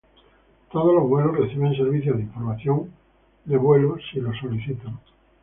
Todos los vuelos reciben servicio de información de vuelo si lo solicitan.